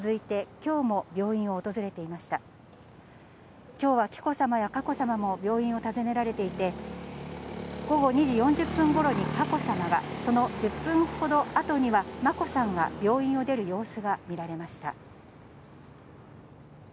きょうは紀子さまや佳子さまも病院を訪ねられていて、午後２時４０分ごろに佳子さまが、その１０分ほどあとには眞子さんが、病院を出る様子が見られました。